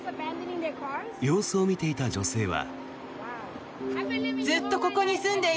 様子を見ていた女性は。